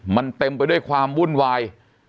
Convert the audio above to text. มันเต็มไปด้วยความวุ่นวาย